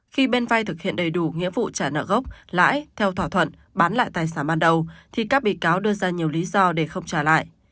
khi bên vai thực hiện đầy đủ nghĩa vụ trả nợ gốc lãi theo thỏa thuận bán lại tài sản ban đầu thì các bị cáo đưa ra nhiều lý do để không trả lại